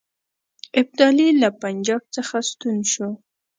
ابدالي له پنجاب څخه ستون شو.